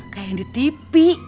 kayak yang di tv